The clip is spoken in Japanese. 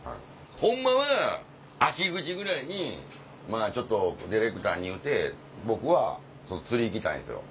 ホンマは秋口ぐらいにまぁちょっとディレクターに言うて僕は釣り行きたいんですよ。